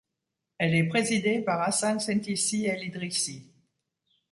Elle est présidée par Hassan Sentissi El Idrissi.